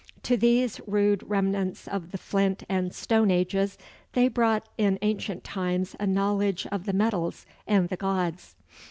To these rude remnants of the flint and stone ages they brought in ancient times a knowledge of the metals and the gods.